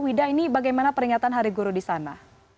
wida ini bagaimana peringatan hari guru di sana